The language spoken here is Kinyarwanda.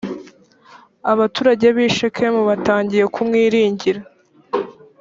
abaturage bi shekemu batangiye kumwiringira.